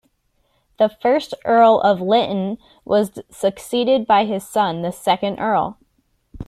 The first Earl of Lytton was succeeded by his son, the second Earl.